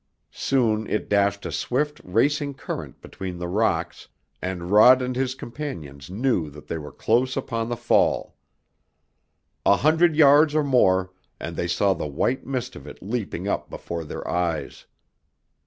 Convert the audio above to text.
Soon it dashed a swift racing torrent between the rocks, and Rod and his companions knew that they were close upon the fall. A hundred yards or more and they saw the white mist of it leaping up before their eyes.